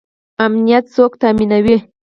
امنیت څوک تامینوي؟